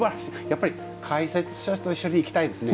やっぱり解説者と一緒に行きたいですね。